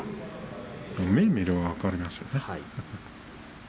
目を見ると分かりますね。